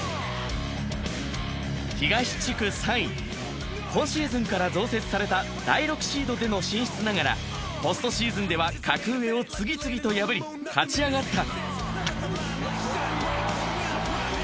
東地区３位、今シーズンから増設された第６シードでの進出ながらポストシーズンでは格上を次々と破り勝ち上がった。